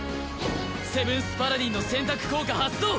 セブンス・パラディンの選択効果発動！